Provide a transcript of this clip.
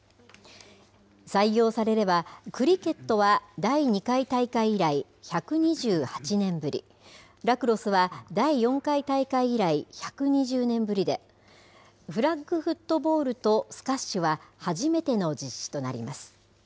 採用されれば、クリケットは第２回大会以来１２８年ぶり、ラクロスは第４回大会以来１２０年ぶりで、フラッグフットボールとスカッシュは初めての実施となります。